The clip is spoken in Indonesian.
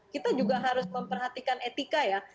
kita juga harus memperhatikan etika ya